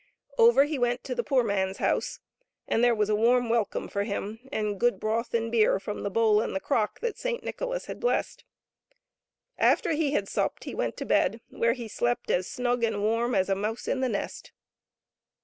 Over he went to the poor man's house, and there was a warm welcome for him, and good broth and beer from the bowl and the crock that Saint Nicholas had blessed. After he had supped he went to bed, where he slept as snug and warm as a mouse in the nest.